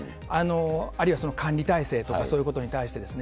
あるいはその管理体制とか、そういうことに対してですね。